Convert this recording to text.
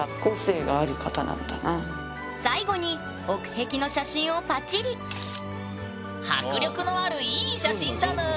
最後に奥壁の写真をパチリ迫力のあるいい写真だぬん。